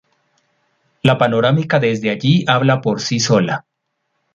La panorámica desde allí habla por sí sola.